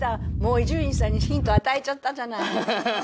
伊集院さんにヒント与えちゃったじゃない。